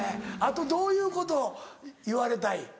あとどういうこと言われたい？